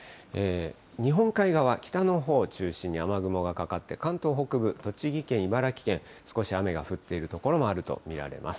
日本海側、北のほうを中心に雨雲がかかって、関東北部、栃木県、茨城県、少し雨が降っている所もあると見られます。